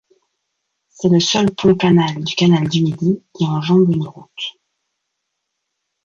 C'est le seul pont-canal du canal du Midi qui enjambe une route.